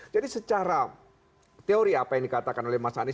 jadi secara teori apa yang dikatakan oleh mas anis